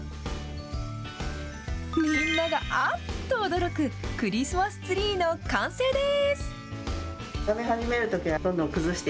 みんながあっと驚くクリスマスツリーの完成です。